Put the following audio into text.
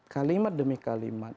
kalimat demi kalimat